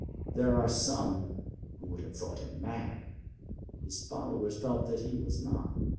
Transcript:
There are some who would have thought him mad. His followers felt that he was not.